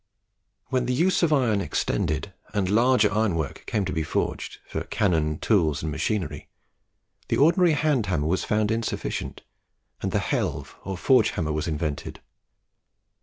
When the use of iron extended and larger ironwork came to be forged, for cannon, tools, and machinery, the ordinary hand hammer was found insufficient, and the helve or forge hammer was invented.